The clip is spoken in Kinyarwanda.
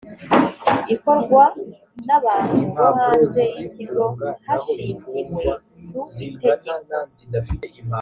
ikorwa n abantu bo hanze y ikigo hashingiwe ku itegeko